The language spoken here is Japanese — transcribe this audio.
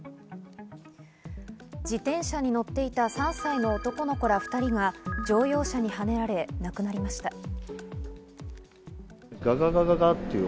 自転車に乗っていた３歳の男の子ら２人が乗用車にはねられ、亡くなりました。